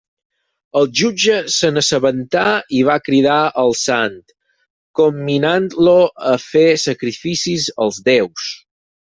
El jutge se n'assabentà i va cridar el sant, comminant-lo a fer sacrificis als déus.